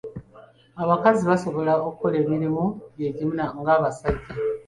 Abakazi basobola okukola emirimu gy'egimu nga abasajja.